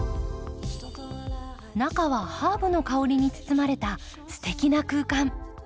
中はハーブの香りに包まれたすてきな空間。